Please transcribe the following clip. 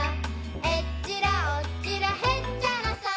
「えっちらおっちらへっちゃらさ」